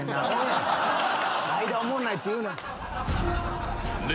「間おもんない」って言うな。